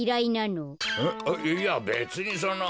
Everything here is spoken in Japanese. えいやべつにその。